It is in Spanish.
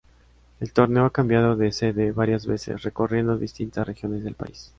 El torneo ha cambiado de sede varias veces, recorriendo distintas regiones del país.